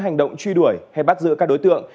hành động truy đuổi hay bắt giữ các đối tượng